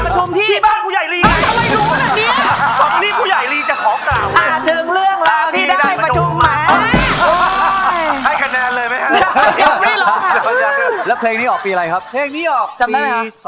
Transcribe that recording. ชาวบ้านอะคะ